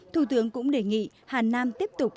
thủ tướng cũng đề nghị hà nam tiếp tục